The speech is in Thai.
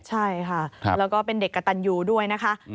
ใช่ค่ะแล้วก็เป็นเด็กกระตันยูด้วยนะคะ